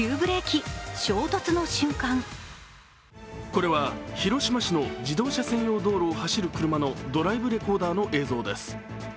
これは広島市の自動車専用道路を走る車のドライブレコーダーの映像です。